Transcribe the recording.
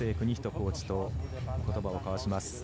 コーチと言葉を交わします。